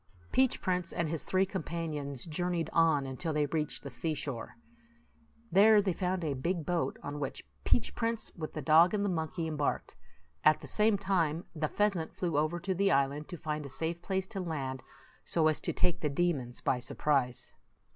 Peach Prince and his three companions jour neyed on until they reached the seashore. There they found a big boat, on which Peach Prince, with the dog and the monkey, embarked ; at the same time, the pheasant flew over to the island to find a safe place to land, so as to take the demons by surprise.